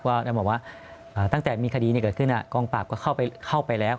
ก็บอกว่าตั้งแต่มีคดีนี้เกิดขึ้นกองปราบก็เข้าไปแล้ว